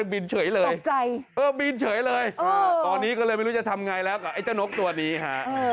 บินเฉยเลยตอนนี้ก็เลยไม่รู้จะทำอย่างไรแล้วก็ไอ้เจ้านกตัวนี้ฮะ